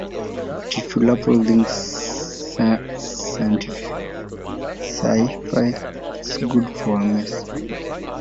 But if you love all things sci-fi, it's a good mess.